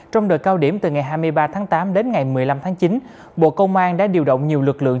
trong đợt cao điểm từ ngày hai mươi ba tháng tám đến ngày một mươi năm tháng chín bộ công an đã điều động nhiều lực lượng